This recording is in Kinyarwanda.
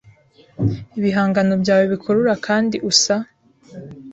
ibihangano byawe bikurura kandi usa